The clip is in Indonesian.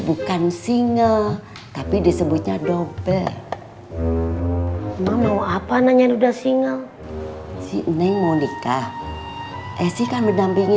bukan single tapi disebutnya double mau apa nanya udah single si menikah esikan menampilkan